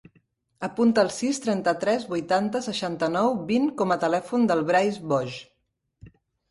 Apunta el sis, trenta-tres, vuitanta, seixanta-nou, vint com a telèfon del Brais Boj.